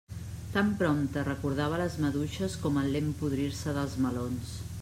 Tan prompte recordava les maduixes com el lent podrir-se dels melons.